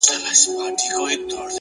• خوارسومه انجام مي د زړه ور مـات كړ،